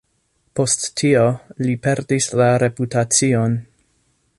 Post tio, li perdis la reputacion.